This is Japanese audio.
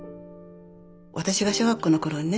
私が小学校の頃にね